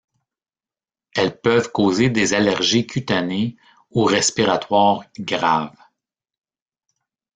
Elles peuvent causer des allergies cutanées ou respiratoires graves.